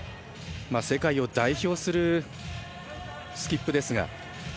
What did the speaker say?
世界を代表するスキップですが。